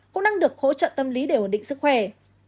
cũng đang được hỗ trợ tâm lý để ổn định sức khỏe